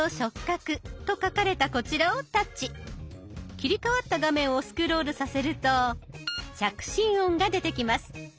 切り替わった画面をスクロールさせると「着信音」が出てきます。